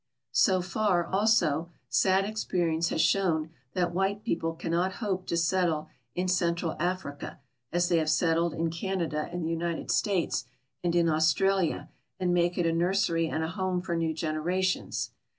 So far, also, sad experience has shown that white people can not hope to settle in Central Africa as they have settled in Can ada and the United States and in Australia, and make it a nur sery and a home for new generations.